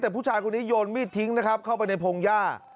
แต่ผู้ชายคนนี้โยนมีดทิ้งนะครับเข้าไปในพงหญ้า